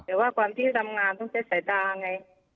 แต่ว่าก่อนที่จะทำงานต้องใช้สายตาไง